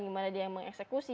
gimana dia yang mengeksekusi